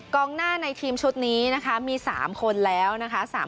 กองหน้าในทีมชุดนี้นะคะมี๓คนแล้วนะคะ